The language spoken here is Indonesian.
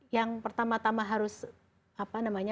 itu kan yang pertama tama harus apa namanya